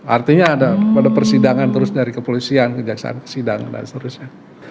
artinya ada pada persidangan terus dari kepolisian kejaksaan dan seterusnya